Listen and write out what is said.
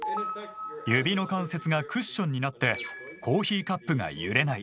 指の関節がクッションになってコーヒーカップが揺れない。